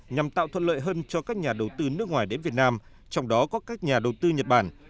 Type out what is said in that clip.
nhằm tạo thuận lợi hơn cho các nhà đầu tư nước ngoài đến việt nam trong đó có các nhà đầu tư nhật bản